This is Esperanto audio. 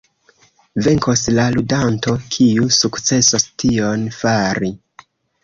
Venkos la ludanto kiu sukcesos tion fari.